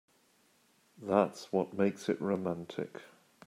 That's what makes it romantic.